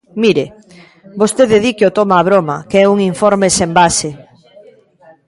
Mire, vostede di que o toma a broma, que é un informe sen base.